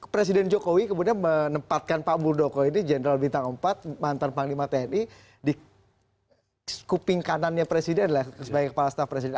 presiden jokowi kemudian menempatkan pak muldoko ini general bintang empat mantan panglima tni di kuping kanannya presiden lah sebagai kepala staf presiden